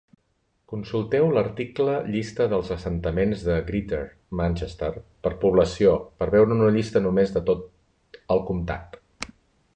Consulteu l'article Llista dels assentaments de Greater Manchester per població per veure una llista només de tot el comtat.